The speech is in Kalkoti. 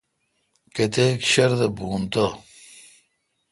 کیتیک شردے یون تو۔